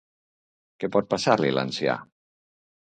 Què pot passar-li a l'ancià?